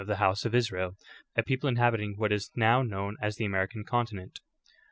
11 the house of Israel — a people inhabiting what is now known as the American continent.